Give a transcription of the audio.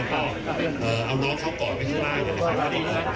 เอาน้องเข้าก่อนไว้ข้างล่าง